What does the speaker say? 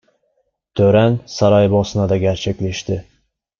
Tören Saraybosna'da gerçekleşti.